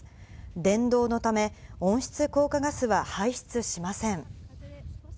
電動のため、温室効果ガスは排出しません。